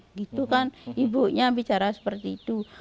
nah itu kan ibunya bicara seperti itu